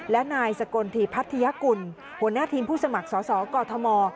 และนายสกลทีพัทยกุลหัวหน้าทีมผู้สมัครสอสอกอทม